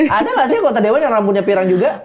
ada gak sih anggota dewa yang rambutnya pirang juga